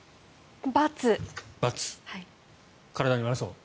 体に悪そう？